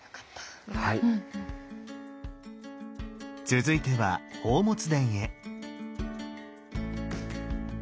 続いては寶物殿へ。